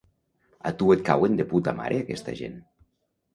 A tu et cauen de puta mare aquesta gent.